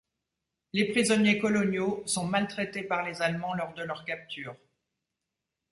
Les prisonniers coloniaux sont maltraités par les Allemands lors de leur capture.